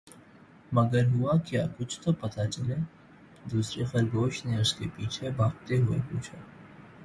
مگر ہوا کیا؟ کچھ تو پتا چلے!“دوسرے خرگوش نے اس کے پیچھے بھاگتے ہوئے پوچھا۔